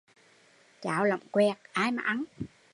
Cháo lỏng quẹt, ai mà ăn